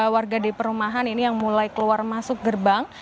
warga di perumahan ini yang mulai keluar masuk gerbang